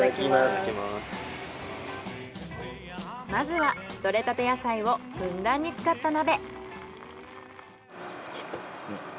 まずは採れたて野菜をふんだんに使った鍋。